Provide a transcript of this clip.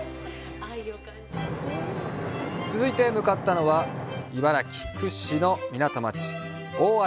続いて向かったのは茨城屈指の港町、大洗。